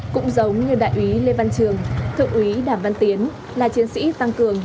cũng giống như đại úy lê văn trường thượng úy đảm văn tiến là chiến sĩ tăng cường